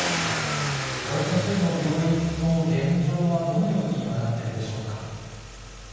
小林先生の病院の現状はどのように今、なっているでしょうか。